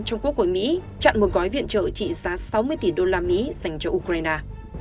trong quốc hội mỹ chặn một gói viện trợ trị giá sáu mươi tỷ usd dành cho ukraine